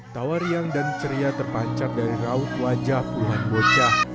tawa riang dan ceria terpancar dari raut wajah puluhan bocah